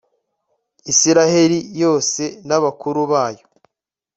israheli yose, n'abakuru bayo